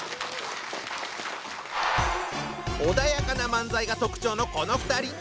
穏やかな漫才が特徴のこの２人。